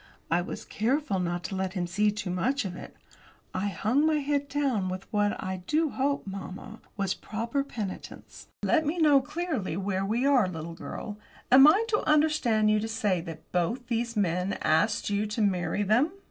I was careful not to let him see too much of it. I hung down my head with what, I do hope, mamma, was proper penitence. "Let me know, clearly, where we are, little girl. Am I to understand you to say that both these men asked you to marry them?"